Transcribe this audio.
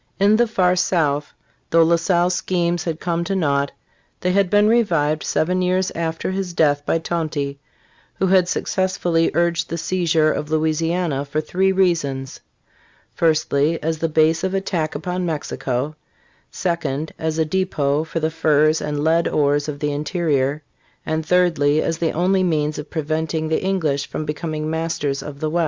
In the far South, though La Salle's schemes had come to naught, they had been revived seven years after his death by Tonty, who had successfully "urged the seizure of Louisiana for three reasons: firstly, as a base of attack upon Mexico; secondly, as a depot for the furs and lead ores of the interior; and thirdly, as the only means of preventing the English from becoming masters of the west."